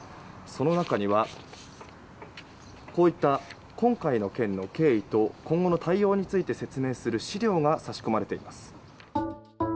その中にはこういった今回の件の経緯と今後の対応について説明する資料が差し込まれています。